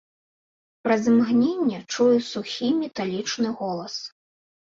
Праз імгненне чую сухі металічны голас.